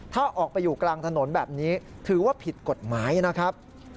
ถ้าออกไปอยู่กลางถนนแบบนี้ถือว่าผิดกฎหมายนะครับ